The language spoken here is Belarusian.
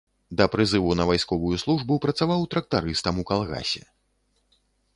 Да прызыву на вайсковую службу працаваў трактарыстам у калгасе.